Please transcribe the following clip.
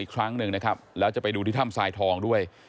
อีกครั้งหนึ่งนะครับแล้วจะไปดูที่ถ้ำทรายทองด้วย